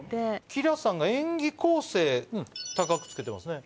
ＫｉＬａさんが演技構成高くつけてますね？